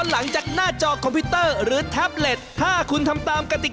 ๒ร้องเพลง